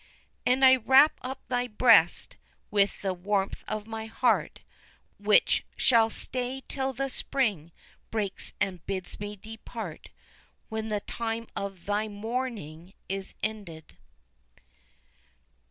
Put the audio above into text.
And I wrap up thy breast with the warmth of my heart, Which shall stay till the spring breaks and bids me depart, When the time of thy mourning is ended.